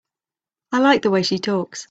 I like the way she talks.